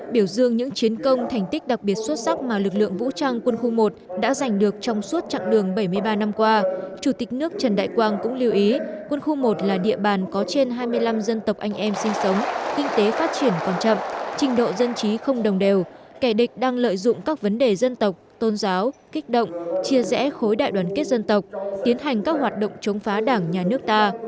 biểu dương những chiến công thành tích đặc biệt xuất sắc mà lực lượng vũ trang quân khu một đã giành được trong suốt chặng đường bảy mươi ba năm qua chủ tịch nước trần đại quang cũng lưu ý quân khu một là địa bàn có trên hai mươi năm dân tộc anh em sinh sống kinh tế phát triển còn chậm trình độ dân trí không đồng đều kẻ địch đang lợi dụng các vấn đề dân tộc tôn giáo kích động chia rẽ khối đại đoàn kết dân tộc tiến hành các hoạt động chống phá đảng nhà nước ta